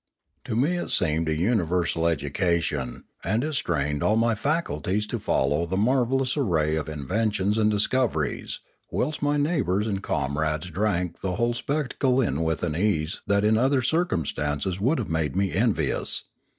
To me it seemed a universal education; and it strained all my faculties to follow the marvellous array of in ventions and discoveries, whilst my neighbours and comrades drank the whole spectacle in with an ease that in other circumstances would have made me envi ous.